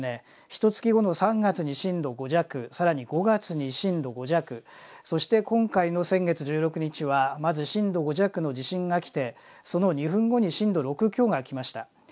ひとつき後の３月に震度５弱更に５月に震度５弱そして今回の先月１６日はまず震度５弱の地震が来てその２分後に震度６強が来ました。